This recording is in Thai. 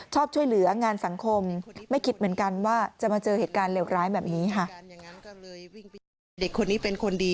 ชอบช่วยเหลืองานสังคมไม่คิดเหมือนกันว่าจะมาเจอเหตุการณ์เหลวร้ายแบบนี้ค่ะ